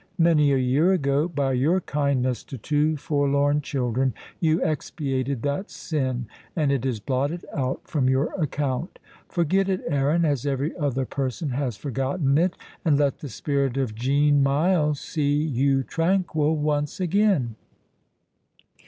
Many a year ago, by your kindness to two forlorn children, you expiated that sin, and it is blotted out from your account. Forget it, Aaron, as every other person has forgotten it, and let the spirit of Jean Myles see you tranquil once again."